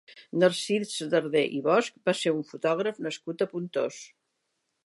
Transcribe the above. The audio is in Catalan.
Narcís Darder i Bosch va ser un fotògraf nascut a Pontós.